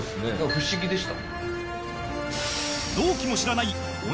不思議でした。